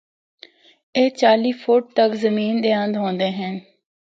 اے چالی فٹ تک زمین دے اند ہوندے ہن۔